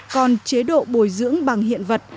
còn chế độ bồi dưỡng bằng hiện vật